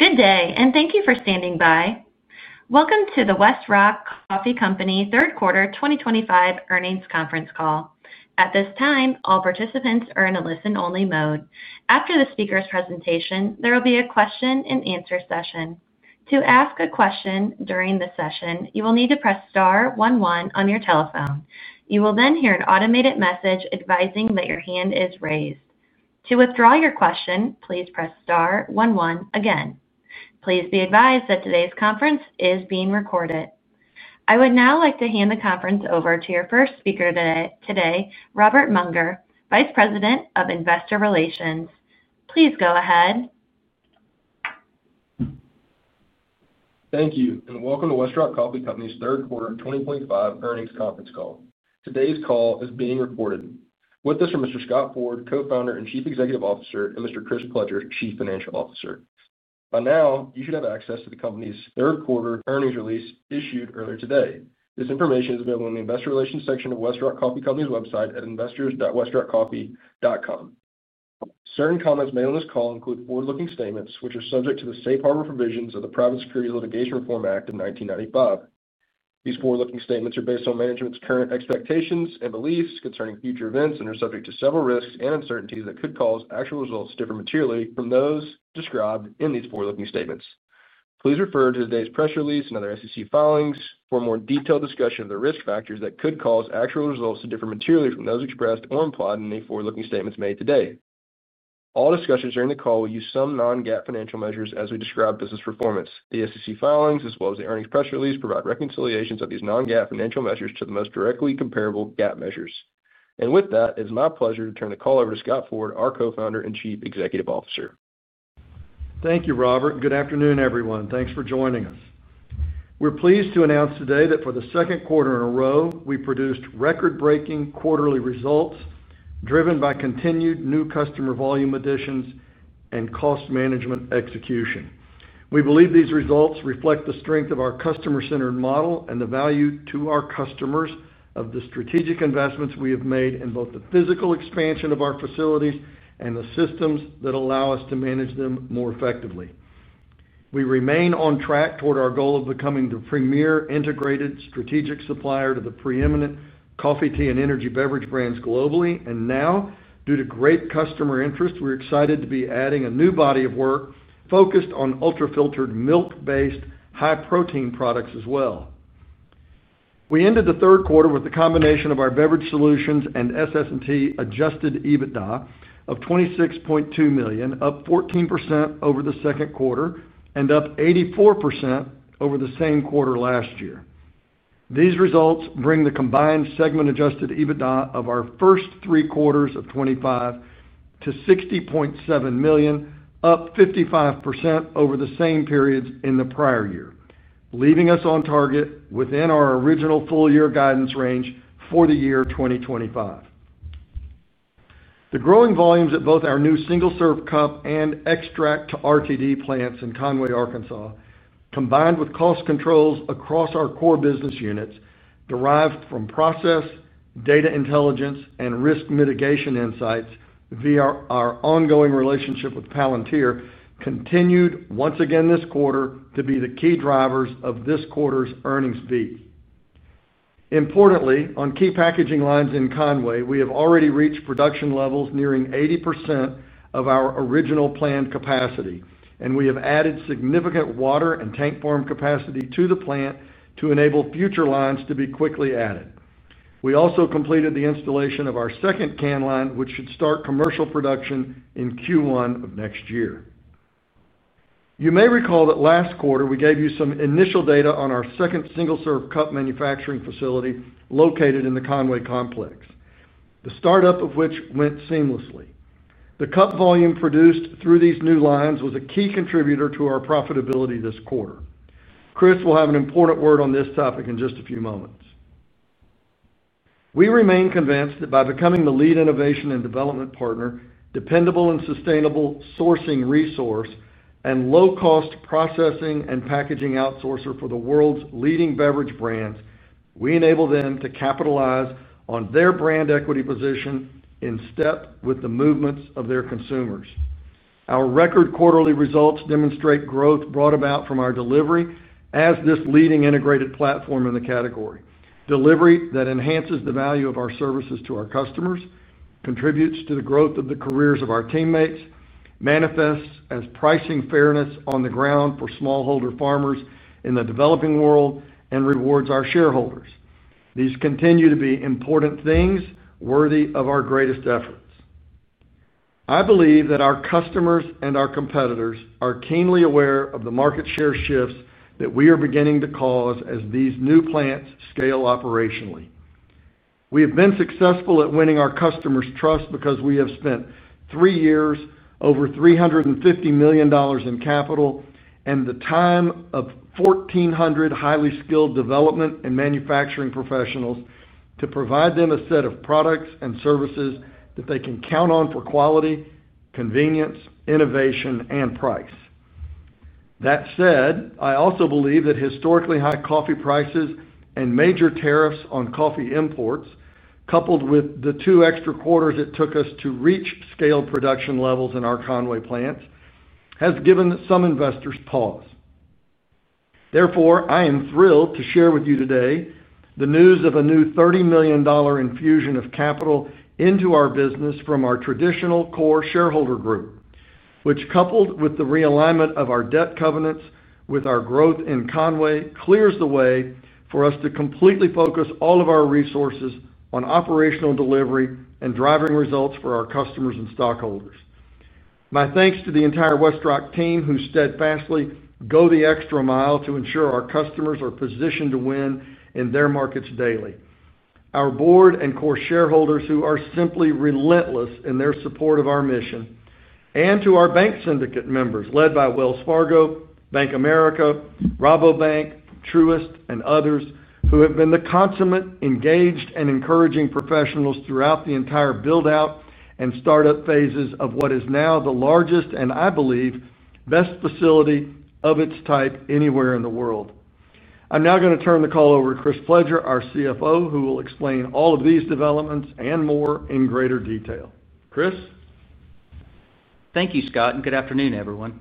Good day, and thank you for standing by. Welcome to the Westrock Coffee Company third quarter 2025 earnings conference call. At this time, all participants are in a listen-only mode. After the speaker's presentation, there will be a question-and-answer session. To ask a question during the session, you will need to press Star 11 on your telephone. You will then hear an automated message advising that your hand is raised. To withdraw your question, please press Star 11 again. Please be advised that today's conference is being recorded. I would now like to hand the conference over to your first speaker today, Robert Mounger, Vice President of Investor Relations. Please go ahead. Thank you, and welcome to Westrock Coffee Company's third quarter 2025 earnings conference call. Today's call is being recorded. With us are Mr. Scott Ford, Co-Founder and Chief Executive Officer, and Mr. Chris Pledger, Chief Financial Officer. By now, you should have access to the company's Third Quarter Earnings Release issued earlier today. This information is available in the Investor Relations section of Westrock Coffee Company's website at investors.westrockcoffee.com. Certain comments made on this call include forward-looking statements which are subject to the safe harbor provisions of the Private Securities Litigation Reform Act of 1995. These forward-looking statements are based on management's current expectations and beliefs concerning future events and are subject to several risks and uncertainties that could cause actual results to differ materially from those described in these forward-looking statements. Please refer to today's press release and other SEC filings for a more detailed discussion of the risk factors that could cause actual results to differ materially from those expressed or implied in any forward-looking statements made today. All discussions during the call will use some non-GAAP financial measures as we describe business performance. The SEC filings, as well as the earnings press release, provide reconciliations of these non-GAAP financial measures to the most directly comparable GAAP measures. It is my pleasure to turn the call over to Scott Ford, our Co-Founder and Chief Executive Officer. Thank you, Robert. Good afternoon, everyone. Thanks for joining us. We're pleased to announce today that for the second quarter in a row, we produced record-breaking quarterly results driven by continued new customer volume additions and cost management execution. We believe these results reflect the strength of our customer-centered model and the value to our customers of the strategic investments we have made in both the physical expansion of our facilities and the systems that allow us to manage them more effectively. We remain on track toward our goal of becoming the premier integrated strategic supplier to the preeminent coffee, tea, and energy beverage brands globally. Due to great customer interest, we're excited to be adding a new body of work focused on ultra-filtered milk-based high-protein products as well. We ended the third quarter with the combination of our beverage solutions and SS&T adjusted EBITDA of $26.2 million, up 14% over the second quarter and up 84% over the same quarter last year. These results bring the combined segment-adjusted EBITDA of our first three quarters of 2025 to $60.7 million, up 55% over the same periods in the prior year, leaving us on target within our original full-year guidance range for the year 2025. The growing volumes at both our new single-serve cup and extract-to-RTD plants in Conway, Arkansas, combined with cost controls across our core business units derived from process, data intelligence, and risk mitigation insights via our ongoing relationship with Palantir, continued once again this quarter to be the key drivers of this quarter's earnings beat. Importantly, on key packaging lines in Conway, we have already reached production levels nearing 80% of our original planned capacity, and we have added significant water and tank form capacity to the plant to enable future lines to be quickly added. We also completed the installation of our second can line, which should start commercial production in Q1 of next year. You may recall that last quarter we gave you some initial data on our second single-serve cup manufacturing facility located in the Conway complex, the startup of which went seamlessly. The cup volume produced through these new lines was a key contributor to our profitability this quarter. Chris will have an important word on this topic in just a few moments. We remain convinced that by becoming the lead innovation and development partner, dependable and sustainable sourcing resource, and low-cost processing and packaging outsourcer for the world's leading beverage brands, we enable them to capitalize on their brand equity position. In step with the movements of their consumers. Our record quarterly results demonstrate growth brought about from our delivery as this leading integrated platform in the category. Delivery that enhances the value of our services to our customers, contributes to the growth of the careers of our teammates, manifests as pricing fairness on the ground for smallholder farmers in the developing world, and rewards our shareholders. These continue to be important things worthy of our greatest efforts. I believe that our customers and our competitors are keenly aware of the market share shifts that we are beginning to cause as these new plants scale operationally. We have been successful at winning our customers' trust because we have spent three years, over $350 million in capital, and the time of 1,400 highly skilled development and manufacturing professionals to provide them a set of products and services that they can count on for quality, convenience, innovation, and price. That said, I also believe that historically high coffee prices and major tariffs on coffee imports, coupled with the two extra quarters it took us to reach scale production levels in our Conway plants, have given some investors pause. Therefore, I am thrilled to share with you today the news of a new $30 million infusion of capital into our business from our traditional core shareholder group, which, coupled with the realignment of our debt covenants with our growth in Conway, clears the way for us to completely focus all of our resources on operational delivery and driving results for our customers and stockholders. My thanks to the entire Westrock team who steadfastly go the extra mile to ensure our customers are positioned to win in their markets daily, our board and core shareholders who are simply relentless in their support of our mission, and to our bank syndicate members led by Wells Fargo, Bank of America, Rabobank, Truist, and others who have been the consummate, engaged, and encouraging professionals throughout the entire build-out and startup phases of what is now the largest and, I believe, best facility of its type anywhere in the world. I'm now going to turn the call over to Chris Pledger, our CFO, who will explain all of these developments and more in greater detail. Chris. Thank you, Scott, and good afternoon, everyone.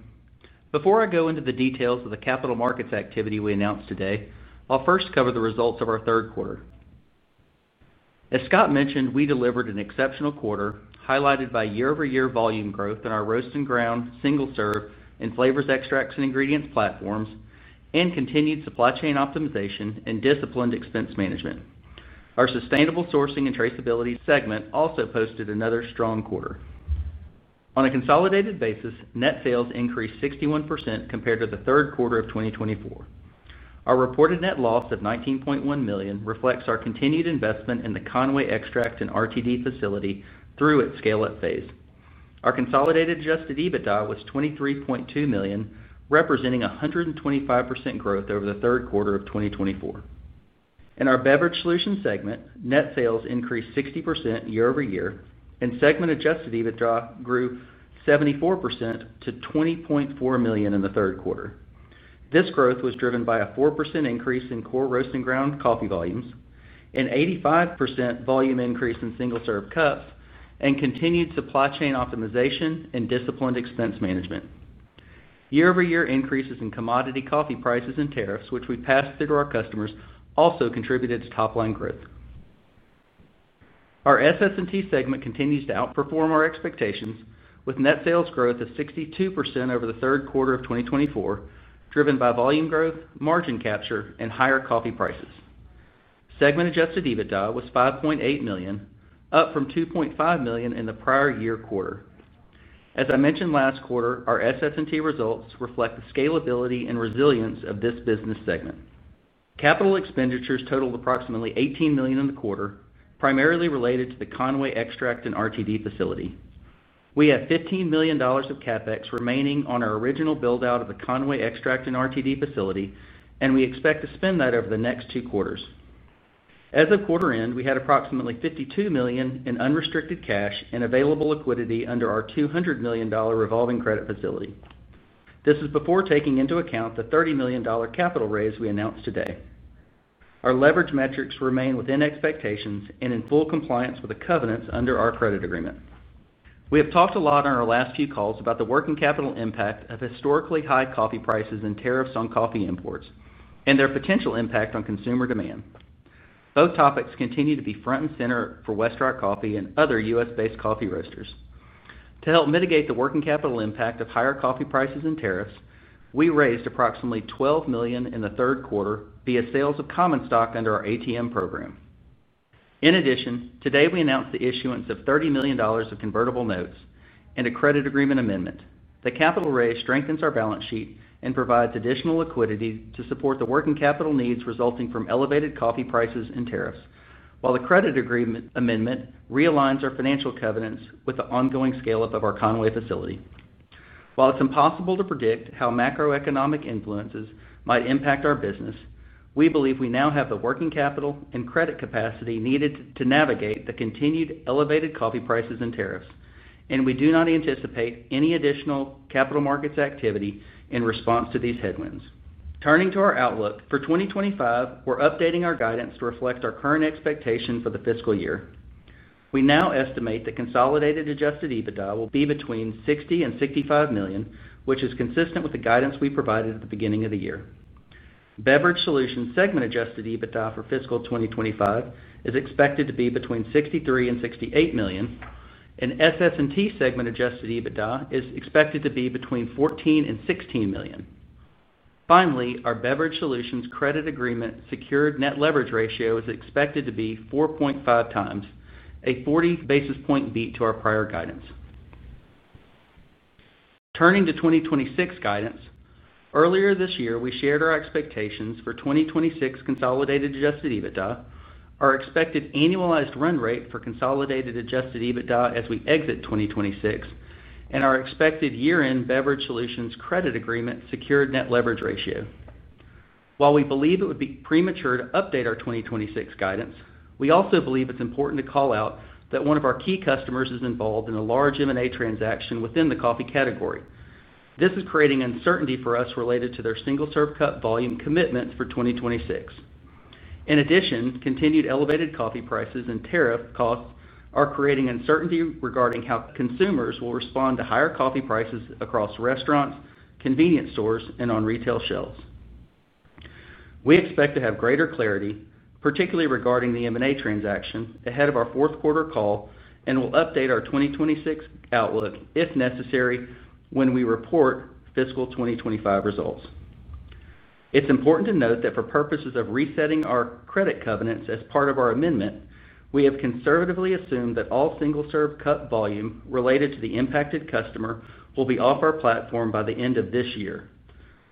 Before I go into the details of the capital markets activity we announced today, I'll first cover the results of our third quarter. As Scott mentioned, we delivered an exceptional quarter highlighted by year-over-year volume growth in our roast and ground, single-serve, and flavors extracts and ingredients platforms, and continued supply chain optimization and disciplined expense management. Our sustainable sourcing and traceability segment also posted another strong quarter. On a consolidated basis, net sales increased 61% compared to the third quarter of 2024. Our reported net loss of $19.1 million reflects our continued investment in the Conway extract and RTD facility through its scale-up phase. Our consolidated adjusted EBITDA was $23.2 million, representing 125% growth over the third quarter of 2024. In our beverage solution segment, net sales increased 60% year-over-year, and segment-adjusted EBITDA grew 74% to $20.4 million in the third quarter. This growth was driven by a 4% increase in core roast and ground coffee volumes, an 85% volume increase in single-serve cups, and continued supply chain optimization and disciplined expense management. Year-over-year increases in commodity coffee prices and tariffs, which we passed through to our customers, also contributed to top-line growth. Our SS&T segment continues to outperform our expectations, with net sales growth of 62% over the third quarter of 2024, driven by volume growth, margin capture, and higher coffee prices. Segment-adjusted EBITDA was $5.8 million, up from $2.5 million in the prior year quarter. As I mentioned last quarter, our SS&T results reflect the scalability and resilience of this business segment. Capital expenditures totaled approximately $18 million in the quarter, primarily related to the Conway extract and RTD facility. We have $15 million of CapEx remaining on our original build-out of the Conway extract and RTD facility, and we expect to spend that over the next two quarters. As of quarter end, we had approximately $52 million in unrestricted cash and available liquidity under our $200 million revolving credit facility. This is before taking into account the $30 million capital raise we announced today. Our leverage metrics remain within expectations and in full compliance with the covenants under our credit agreement. We have talked a lot on our last few calls about the working capital impact of historically high coffee prices and tariffs on coffee imports and their potential impact on consumer demand. Both topics continue to be front and center for Westrock Coffee and other U.S.-based coffee roasters. To help mitigate the working capital impact of higher coffee prices and tariffs, we raised approximately $12 million in the third quarter via sales of common stock under our ATM program. In addition, today we announced the issuance of $30 million of convertible notes and a credit agreement amendment. The capital raise strengthens our balance sheet and provides additional liquidity to support the working capital needs resulting from elevated coffee prices and tariffs, while the credit agreement amendment realigns our financial covenants with the ongoing scale-up of our Conway facility. While it's impossible to predict how macroeconomic influences might impact our business, we believe we now have the working capital and credit capacity needed to navigate the continued elevated coffee prices and tariffs, and we do not anticipate any additional capital markets activity in response to these headwinds. Turning to our outlook for 2025, we're updating our guidance to reflect our current expectation for the fiscal year. We now estimate that consolidated adjusted EBITDA will be between $60 million and $65 million, which is consistent with the guidance we provided at the beginning of the year. Beverage solution segment-adjusted EBITDA for fiscal 2025 is expected to be between $63 million and $68 million, and SS&T segment-adjusted EBITDA is expected to be between $14 million and $16 million. Finally, our beverage solutions credit agreement secured net leverage ratio is expected to be 4.5 times, a 40 basis point beat to our prior guidance. Turning to 2026 guidance, earlier this year, we shared our expectations for 2026 consolidated adjusted EBITDA, our expected annualized run rate for consolidated adjusted EBITDA as we exit 2026, and our expected year-end beverage solutions credit agreement secured net leverage ratio. While we believe it would be premature to update our 2026 guidance, we also believe it's important to call out that one of our key customers is involved in a large M&A transaction within the coffee category. This is creating uncertainty for us related to their single-serve cup volume commitment for 2026. In addition, continued elevated coffee prices and tariff costs are creating uncertainty regarding how consumers will respond to higher coffee prices across restaurants, convenience stores, and on retail shelves. We expect to have greater clarity, particularly regarding the M&A transaction, ahead of our fourth quarter call, and will update our 2026 outlook if necessary when we report fiscal 2025 results. It's important to note that for purposes of resetting our credit covenants as part of our amendment, we have conservatively assumed that all single-serve cup volume related to the impacted customer will be off our platform by the end of this year,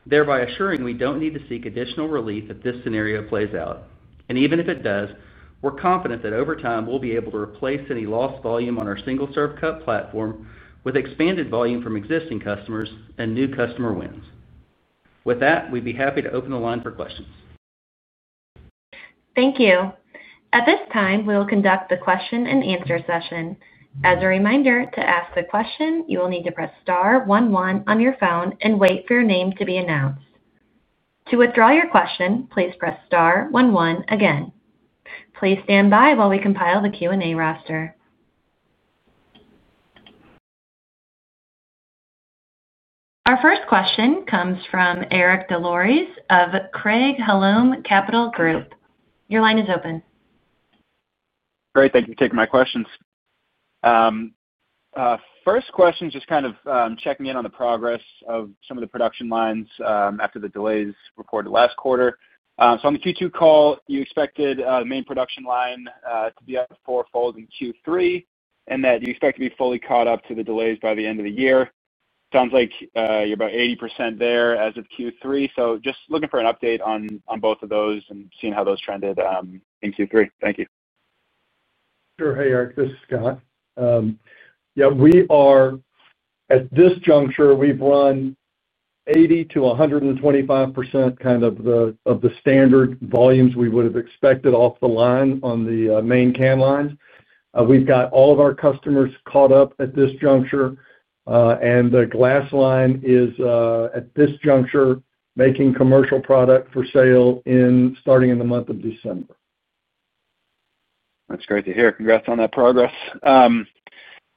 thereby assuring we don't need to seek additional relief if this scenario plays out. Even if it does, we're confident that over time we'll be able to replace any lost volume on our single-serve cup platform with expanded volume from existing customers and new customer wins. With that, we'd be happy to open the line for questions. Thank you. At this time, we'll conduct the question-and-answer session. As a reminder, to ask a question, you will need to press Star 11 on your phone and wait for your name to be announced. To withdraw your question, please press Star 11 again. Please stand by while we compile the Q&A roster. Our first question comes from Eric Des Lauriers of Craig-Hallum Capital Group. Your line is open. Great. Thank you for taking my questions. First question is just kind of checking in on the progress of some of the production lines after the delays reported last quarter. On the Q2 call, you expected the main production line to be up fourfold in Q3 and that you expect to be fully caught up to the delays by the end of the year. Sounds like you're about 80% there as of Q3. Just looking for an update on both of those and seeing how those trended in Q3. Thank you. Sure. Hey, Eric. This is Scott. Yeah, we are. At this juncture, we've run 80%-125% kind of the standard volumes we would have expected off the line on the main can lines. We've got all of our customers caught up at this juncture. The glass line is at this juncture making commercial product for sale starting in the month of December. That's great to hear. Congrats on that progress.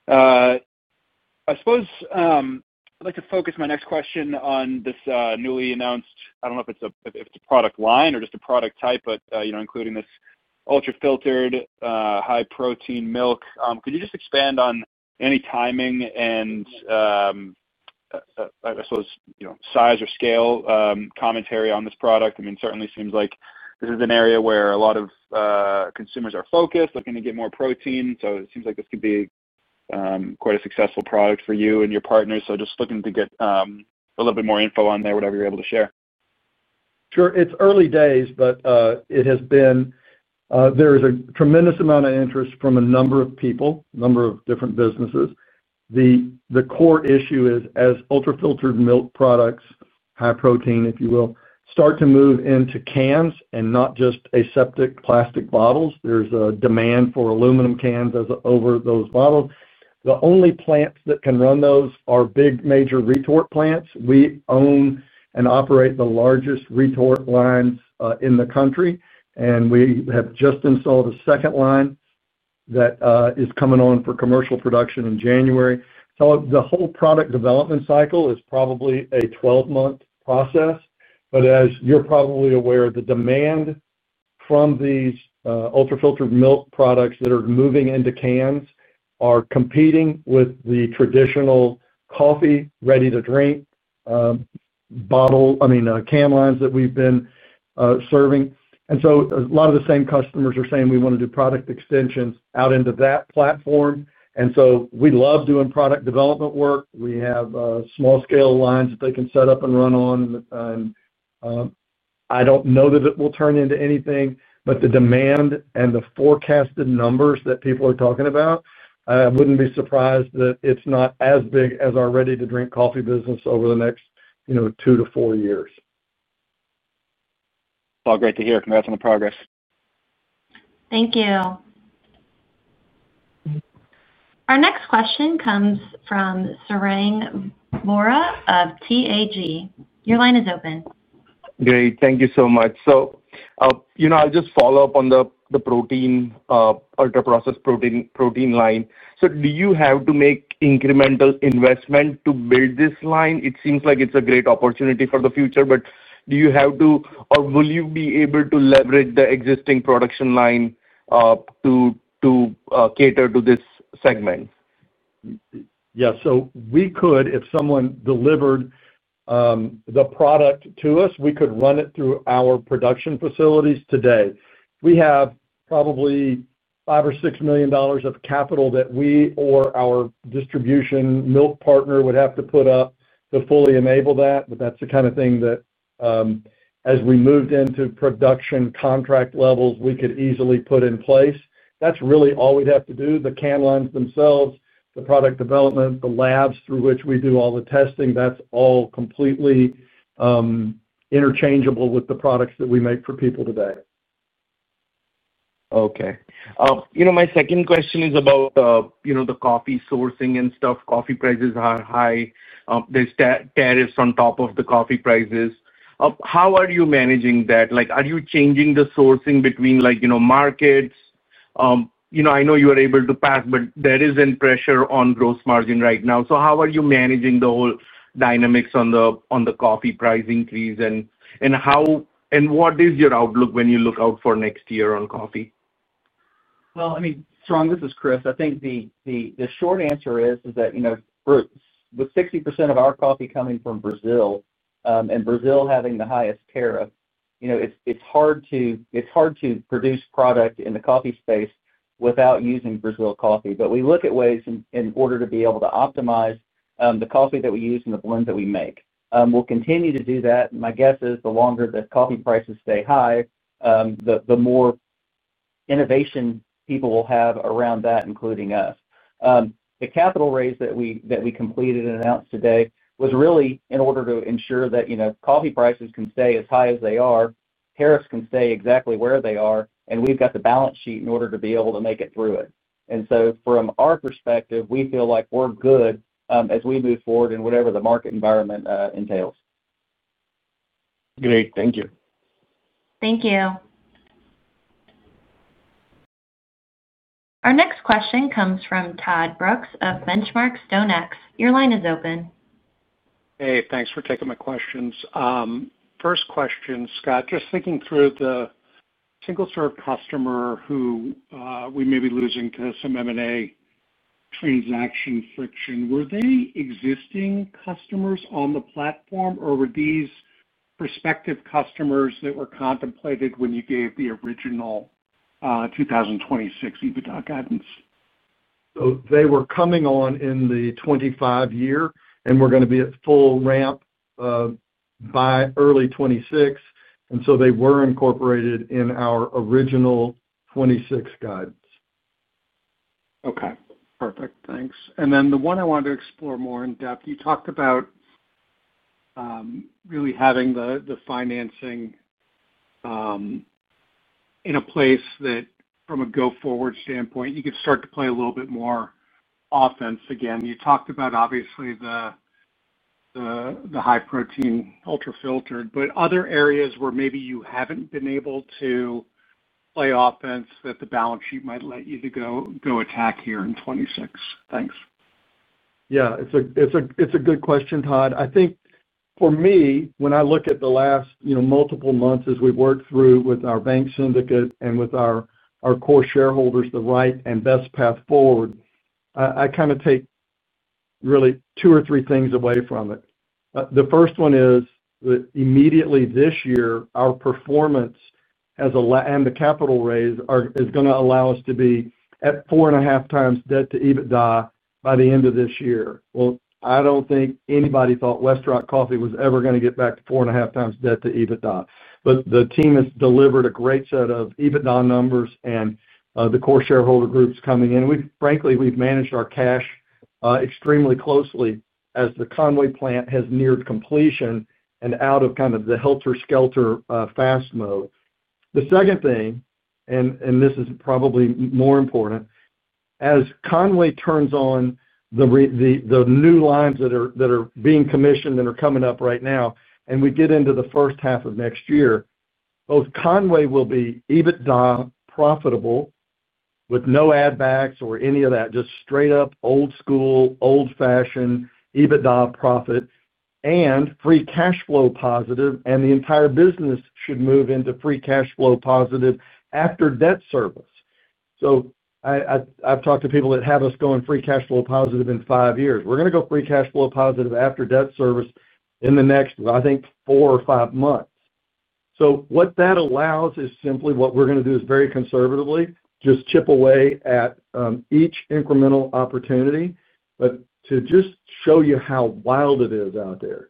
I suppose I'd like to focus my next question on this newly announced—I don't know if it's a product line or just a product type—but including this ultra-filtered high-protein milk. Could you just expand on any timing and, I suppose, size or scale commentary on this product? I mean, it certainly seems like this is an area where a lot of consumers are focused, looking to get more protein. It seems like this could be quite a successful product for you and your partners. Just looking to get a little bit more info on there, whatever you're able to share. Sure. It's early days, but it has been— There is a tremendous amount of interest from a number of people, a number of different businesses. The core issue is as ultra-filtered milk products, high protein, if you will, start to move into cans and not just aseptic plastic bottles. There's a demand for aluminum cans over those bottles. The only plants that can run those are big major retort plants. We own and operate the largest retort lines in the country, and we have just installed a second line that is coming on for commercial production in January. The whole product development cycle is probably a 12-month process. As you're probably aware, the demand from these ultra-filtered milk products that are moving into cans is competing with the traditional coffee, ready-to-drink. Bottle—I mean, can lines that we've been serving. A lot of the same customers are saying we want to do product extensions out into that platform. We love doing product development work. We have small-scale lines that they can set up and run on. I do not know that it will turn into anything, but the demand and the forecasted numbers that people are talking about, I would not be surprised that it is not as big as our ready-to-drink coffee business over the next two to four years. Great to hear. Congrats on the progress. Thank you. Our next question comes from Sarang Vora of TAG. Your line is open. Great. Thank you so much. I'll just follow up on the protein, ultra-processed protein line. Do you have to make incremental investment to build this line? It seems like it's a great opportunity for the future, but do you have to, or will you be able to leverage the existing production line to cater to this segment? Yeah. We could, if someone delivered the product to us, we could run it through our production facilities today. We have probably $5 million or $6 million of capital that we or our distribution milk partner would have to put up to fully enable that. That's the kind of thing that, as we moved into production contract levels, we could easily put in place. That's really all we'd have to do. The can lines themselves, the product development, the labs through which we do all the testing, that's all completely interchangeable with the products that we make for people today. Okay. My second question is about the coffee sourcing and stuff. Coffee prices are high. There are tariffs on top of the coffee prices. How are you managing that? Are you changing the sourcing between markets? I know you were able to pass, but there is not pressure on gross margin right now. How are you managing the whole dynamics on the coffee price increase? What is your outlook when you look out for next year on coffee? I mean, San, this is Chris. I think the short answer is that with 60% of our coffee coming from Brazil and Brazil having the highest tariff, it's hard to produce product in the coffee space without using Brazil coffee. We look at ways in order to be able to optimize the coffee that we use and the blend that we make. We'll continue to do that. My guess is the longer the coffee prices stay high, the more innovation people will have around that, including us. The capital raise that we completed and announced today was really in order to ensure that coffee prices can stay as high as they are, tariffs can stay exactly where they are, and we've got the balance sheet in order to be able to make it through it. From our perspective, we feel like we're good as we move forward in whatever the market environment entails. Great. Thank you. Thank you. Our next question comes from Todd Brooks of Benchmark Company. Your line is open. Hey, thanks for taking my questions. First question, Scott, just thinking through the single-serve customer who we may be losing to some M&A transaction friction. Were they existing customers on the platform, or were these prospective customers that were contemplated when you gave the original 2026 EBITDA guidance? They were coming on in the 2025 year, and we're going to be at full ramp by early 2026. They were incorporated in our original 2026 guidance. Okay. Perfect. Thanks. The one I wanted to explore more in depth, you talked about really having the financing in a place that from a go-forward standpoint, you could start to play a little bit more offense again. You talked about, obviously, the high-protein, ultra-filtered, but other areas where maybe you haven't been able to play offense that the balance sheet might let you go attack here in 2026. Thanks. Yeah. It's a good question, Todd. I think for me, when I look at the last multiple months as we've worked through with our bank syndicate and with our core shareholders, the right and best path forward. I kind of take really two or three things away from it. The first one is that immediately this year, our performance and the capital raise is going to allow us to be at four and a half times debt to EBITDA by the end of this year. I don't think anybody thought Westrock Coffee was ever going to get back to four and a half times debt to EBITDA. But the team has delivered a great set of EBITDA numbers and the core shareholder groups coming in. Frankly, we've managed our cash extremely closely as the Conway plant has neared completion and out of kind of the helter-skelter fast mode. The second thing, and this is probably more important, as Conway turns on the new lines that are being commissioned and are coming up right now, and we get into the first half of next year, both Conway will be EBITDA profitable. With no add-backs or any of that, just straight-up old-school, old-fashioned EBITDA profit and free cash flow positive. The entire business should move into free cash flow positive after debt service. I've talked to people that have us going free cash flow positive in five years. We're going to go free cash flow positive after debt service in the next, I think, four or five months. What that allows is simply what we're going to do is very conservatively just chip away at each incremental opportunity. To just show you how wild it is out there,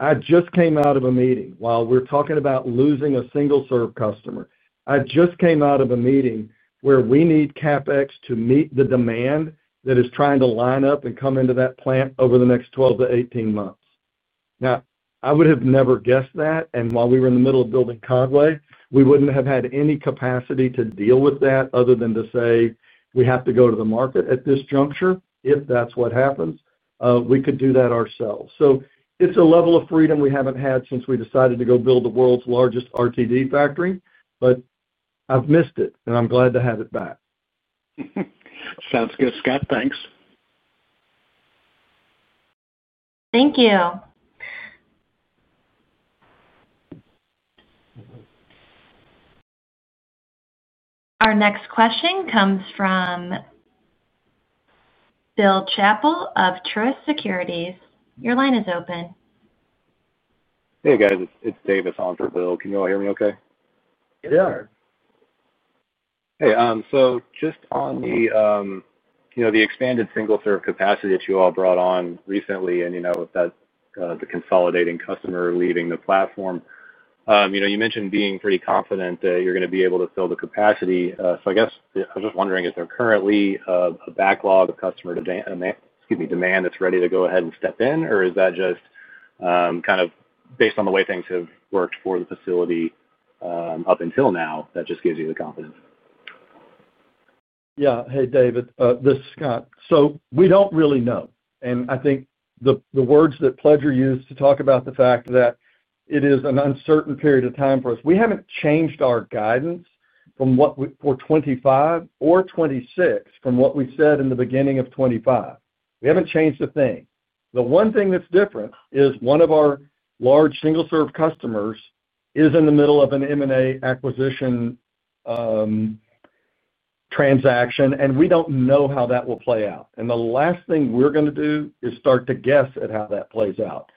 I just came out of a meeting while we're talking about losing a single-serve customer. I just came out of a meeting where we need CapEx to meet the demand that is trying to line up and come into that plant over the next 12-18 months. I would have never guessed that. While we were in the middle of building Conway, we wouldn't have had any capacity to deal with that other than to say, "We have to go to the market at this juncture if that's what happens." We could do that ourselves. It is a level of freedom we haven't had since we decided to go build the world's largest RTD factory. I have missed it, and I'm glad to have it back. Sounds good, Scott. Thanks. Thank you. Our next question comes from Bill Chapel of Truist Securities. Your line is open. Hey, guys. It's David on Bill. Can you all hear me okay? Yeah. Hey. Just on the expanded single-serve capacity that you all brought on recently and with the consolidating customer leaving the platform, you mentioned being pretty confident that you're going to be able to fill the capacity. I guess I'm just wondering, is there currently a backlog of customer demand that's ready to go ahead and step in, or is that just kind of based on the way things have worked for the facility up until now that just gives you the confidence? Yeah. Hey, David, this is Scott. We do not really know. I think the words that Pledger used to talk about the fact that it is an uncertain period of time for us, we have not changed our guidance for 2025 or 2026 from what we said in the beginning of 2025. We have not changed a thing. The one thing that is different is one of our large single-serve customers is in the middle of an M&A acquisition transaction, and we do not know how that will play out. The last thing we are going to do is start to guess at how that plays out.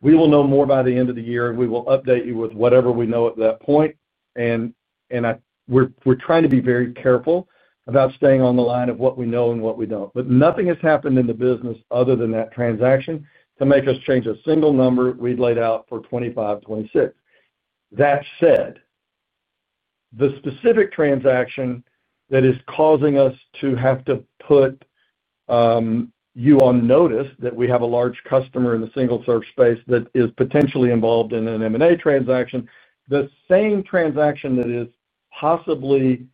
We will know more by the end of the year, and we will update you with whatever we know at that point. We are trying to be very careful about staying on the line of what we know and what we do not. Nothing has happened in the business other than that transaction to make us change a single number we'd laid out for 2025, 2026. That said, the specific transaction that is causing us to have to put you on notice that we have a large customer in the single-serve space that is potentially involved in an M&A transaction, the same transaction that is possibly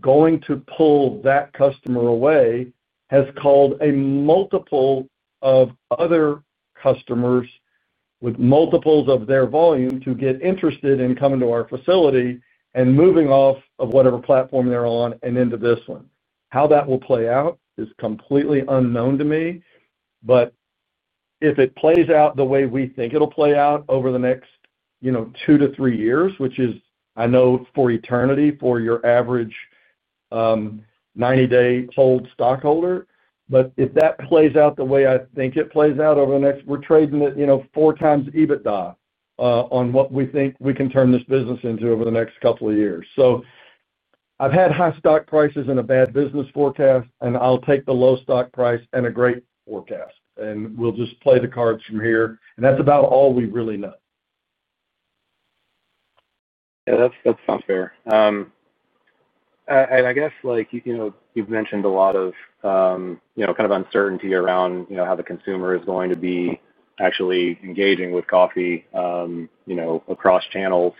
going to pull that customer away has called a multiple of other customers with multiples of their volume to get interested in coming to our facility and moving off of whatever platform they're on and into this one. How that will play out is completely unknown to me. If it plays out the way we think it'll play out over the next two to three years, which is, I know, for eternity for your average 90-day hold stockholder. If that plays out the way I think it plays out over the next, we're trading at four times EBITDA on what we think we can turn this business into over the next couple of years. I've had high stock prices and a bad business forecast, and I'll take the low stock price and a great forecast. We'll just play the cards from here. That's about all we really know. Yeah. That sounds fair. I guess you've mentioned a lot of kind of uncertainty around how the consumer is going to be actually engaging with coffee across channels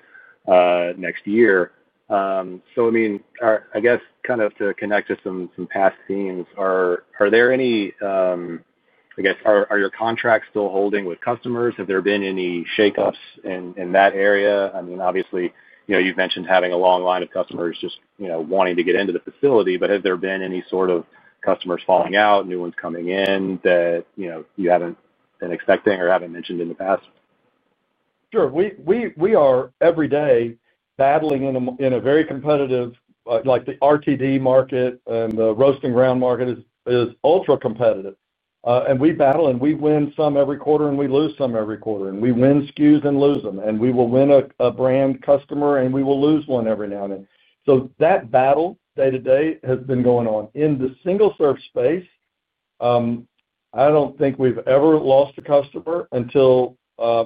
next year. I mean, I guess kind of to connect to some past themes, are there any, I guess, are your contracts still holding with customers? Have there been any shakeups in that area? I mean, obviously, you've mentioned having a long line of customers just wanting to get into the facility. Have there been any sort of customers falling out, new ones coming in that you haven't been expecting or haven't mentioned in the past? Sure. We are every day battling in a very competitive RTD market and the roasting ground market is ultra-competitive. We battle, and we win some every quarter, and we lose some every quarter. We win SKUs and lose them. We will win a brand customer, and we will lose one every now and then. That battle day to day has been going on. In the single-serve space, I do not think we have ever lost a customer until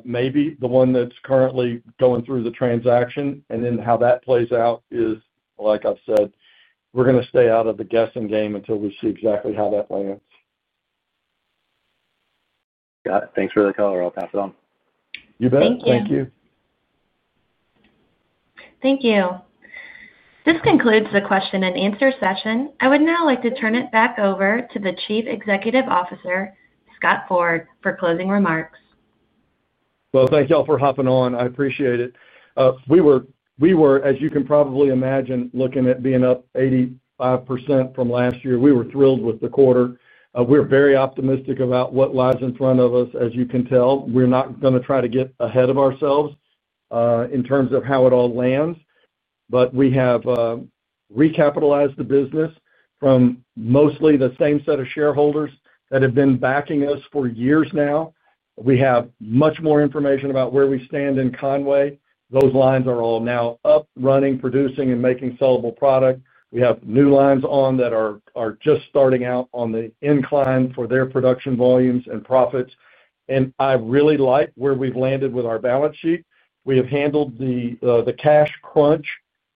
maybe the one that is currently going through the transaction. How that plays out is, like I have said, we are going to stay out of the guessing game until we see exactly how that lands. Scott, thanks for the call. I'll pass it on. You bet. Thank you. Thank you. This concludes the question and answer session. I would now like to turn it back over to the Chief Executive Officer, Scott Ford, for closing remarks. Thank y'all for hopping on. I appreciate it. We were, as you can probably imagine, looking at being up 85% from last year. We were thrilled with the quarter. We are very optimistic about what lies in front of us. As you can tell, we are not going to try to get ahead of ourselves in terms of how it all lands. We have recapitalized the business from mostly the same set of shareholders that have been backing us for years now. We have much more information about where we stand in Conway. Those lines are all now up, running, producing, and making sellable product. We have new lines on that are just starting out on the incline for their production volumes and profits. I really like where we have landed with our balance sheet. We have handled the cash crunch,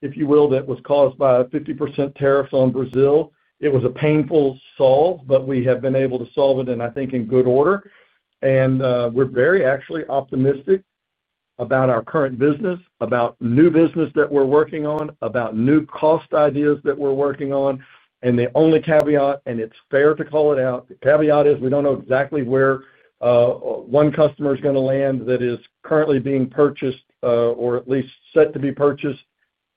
if you will, that was caused by 50% tariffs on Brazil. It was a painful solve, but we have been able to solve it, and I think in good order. We are very actually optimistic about our current business, about new business that we're working on, about new cost ideas that we're working on. The only caveat, and it's fair to call it out, the caveat is we don't know exactly where one customer is going to land that is currently being purchased or at least set to be purchased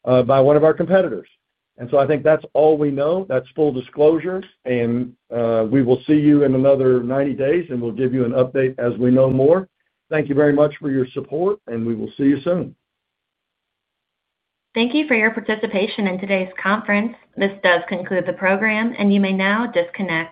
by one of our competitors. I think that's all we know. That's full disclosure. We will see you in another 90 days, and we'll give you an update as we know more. Thank you very much for your support, and we will see you soon. Thank you for your participation in today's conference. This does conclude the program, and you may now disconnect.